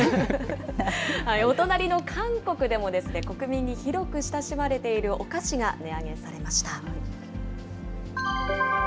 お隣の韓国でも、国民に広く親しまれているお菓子が値上げされました。